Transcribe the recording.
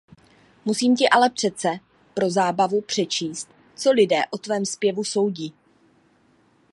Musím ti ale předce pro zábavu přečíst, co lidé o tvém zpěvu soudí.